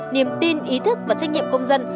niềm tin ý thức và trách nhiệm công dân